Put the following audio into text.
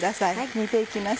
煮て行きます。